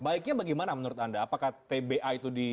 baiknya bagaimana menurut anda apakah tba itu di